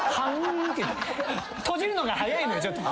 閉じるのが早いのよちょっと。